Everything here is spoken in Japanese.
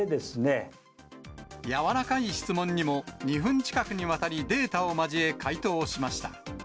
柔らかい質問にも、２分近くにわたりデータを交え回答をしました。